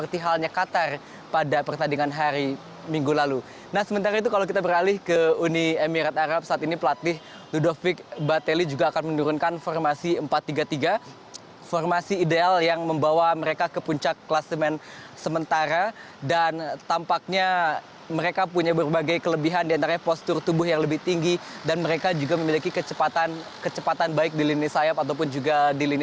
dan untuk mengantisipasi indonesia juga patut mewaspadai provokasi provokasi atau permainan mengulur ngulur waktu dari uni emirat arab yang mungkin juga akan diperagakan